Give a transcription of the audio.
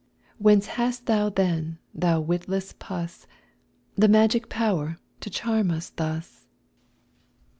Whence hast thou then, thou witless puss! The magic power to charm us thus?